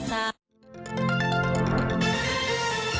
โปรดติดตามตอนต่อไป